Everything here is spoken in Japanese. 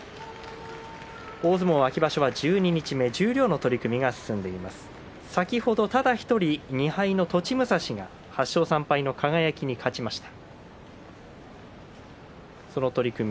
大相撲秋場所は十二日目十両の取組先ほど、ただ一人２敗の栃武蔵が８勝３敗の輝に勝ちました。